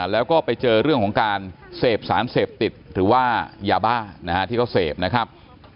แล้วก็ไปเจอเรื่องของการเสพสารเสพติดหรือว่ายาบ้าที่เขาเสพนะครับ